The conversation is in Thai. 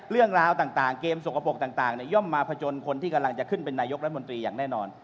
เรื่องราวต่างเกมสกปรกต่างย่อมมาผจญคนที่กำลังจะขึ้นเป็นนายกรัฐมนตรีอย่างแน่นอน